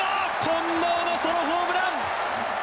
近藤のソロホームラン！